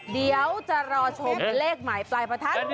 เดี๋ยวจะรอชมเลขหมายปลายประทัด